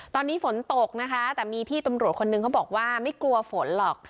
ตอนนี้ฝนตกนะคะแต่มีพี่ตำรวจคนนึงเขาบอกว่าไม่กลัวฝนหรอก